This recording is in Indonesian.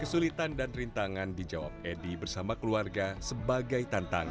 kesulitan dan rintangan dijawab edi bersama keluarga sebagai tantangan